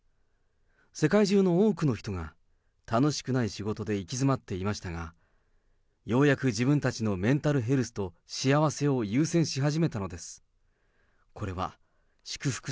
世界中の多くの人が、楽しくない仕事で行き詰っていましたが、ようやく自分たちのメンタルヘルスと幸せを優先し始めたのです。